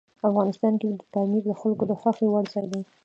افغانستان کې پامیر د خلکو د خوښې وړ ځای دی.